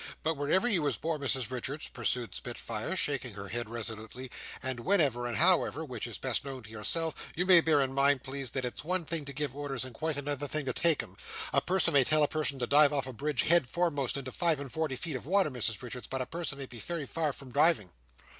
But wherever you was born, Mrs Richards," pursued Spitfire, shaking her head resolutely, "and whenever, and however (which is best known to yourself), you may bear in mind, please, that it's one thing to give orders, and quite another thing to take 'em. A person may tell a person to dive off a bridge head foremost into five and forty feet of water, Mrs Richards, but a person may be very far from diving."